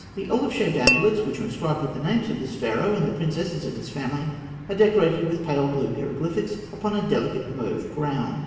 The olive shaped amulets which are inscribed with the names of this Pharaoh and the princesses of his family are decorated with pale blue hieroglyphs upon a delicate mauve ground.